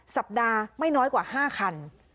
สัปดาห์ไม่น้อยกว่า๕คัน